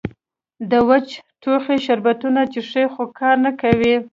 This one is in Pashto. د وچ ټوخي شربتونه څښي خو کار نۀ کوي